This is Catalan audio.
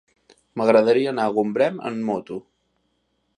M'agradaria anar a Gombrèn amb moto.